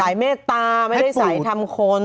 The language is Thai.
เมตตาไม่ได้สายทำคน